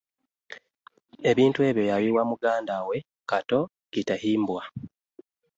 Ebintu ebyo yabiwa muganda we Kato Kitehimbwa.